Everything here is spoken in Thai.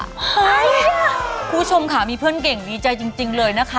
คุณผู้ชมค่ะมีเพื่อนเก่งดีใจจริงเลยนะคะ